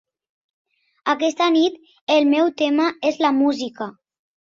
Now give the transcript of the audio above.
Aquesta nit, el meu tema és la música.